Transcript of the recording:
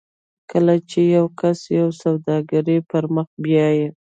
کله چې یو کس یوه سوداګري پر مخ بیایي